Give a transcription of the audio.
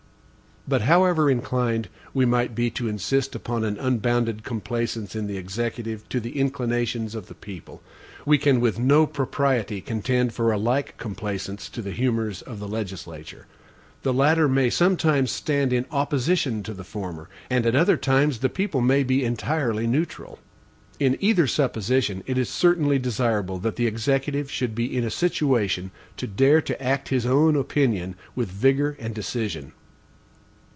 But however inclined we might be to insist upon an unbounded complaisance in the Executive to the inclinations of the people, we can with no propriety contend for a like complaisance to the humors of the legislature. The latter may sometimes stand in opposition to the former, and at other times the people may be entirely neutral. In either supposition, it is certainly desirable that the Executive should be in a situation to dare to act his own opinion with vigor and decision.